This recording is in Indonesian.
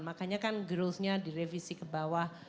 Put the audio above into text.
makanya kan growth nya direvisi ke bawah